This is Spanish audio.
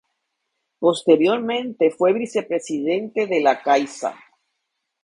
Posteriormente fue Vicepresidente de La Caixa.